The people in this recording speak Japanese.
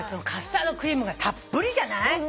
カスタードクリームがたっぷりじゃない？